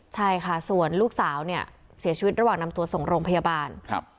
ใช่ค่ะส่วนลูกสาวเนี่ยเสียชีวิตระหว่างนำตัวส่งโรงพยาบาลครับ